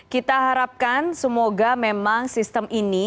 kita harapkan semoga memang sistem ini